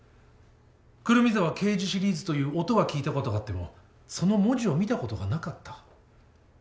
『胡桃沢啓二シリーズ』という音は聞いたことがあってもその文字を見たことがなかった。